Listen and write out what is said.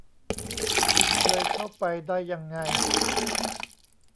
คุณเคยเข้าไปได้ยังไง